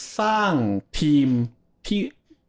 สร้างทีมที่